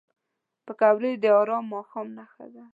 پکورې د ارام ماښام نښه ده